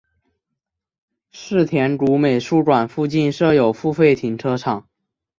世田谷美术馆附近设有付费停车场。